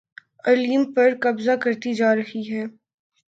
علیم پر قبضہ کرتی جا رہی ہے